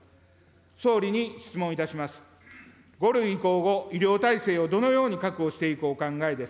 総理に質問いたします。